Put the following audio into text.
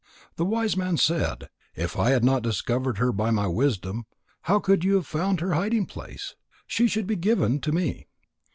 The wise man said: "If I had not discovered her by my wisdom, how could you have found her hiding place? She should be given to me."